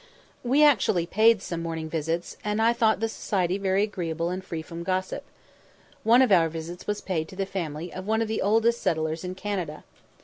We actually paid some morning visits, and I thought the society very agreeable and free from gossip. One of our visits was paid to the family of one of the oldest settlers in Canada.